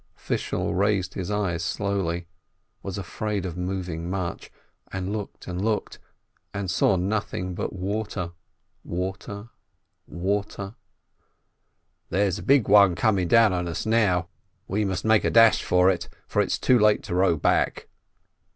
Fishel raised his eyes slowly, was afraid of moving much, and looked and looked, and saw nothing but water, water, and water. "There's a big one coming down on us now, we must make a dash for it, for it's too late to row back."